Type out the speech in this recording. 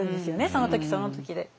その時その時で。